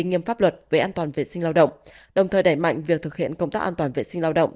nghiêm pháp luật về an toàn vệ sinh lao động đồng thời đẩy mạnh việc thực hiện công tác an toàn vệ sinh lao động